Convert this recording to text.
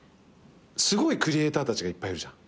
すごいクリエイターたちがいっぱいいるじゃん。